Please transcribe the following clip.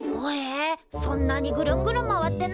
そんなにぐるんぐるん回ってんのか。